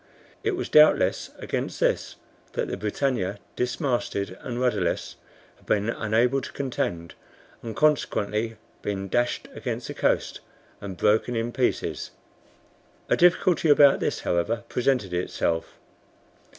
It was doubtless against this that the BRITANNIA, dismasted and rudderless, had been unable to contend, and consequently been dashed against the coast, and broken in pieces. A difficulty about this, however, presented itself.